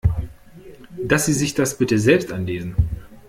Dass Sie sich das bitte selbst anlesen.